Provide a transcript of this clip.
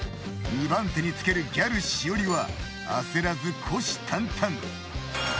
２番手につけるギャルしおりは焦らず虎視たんたん。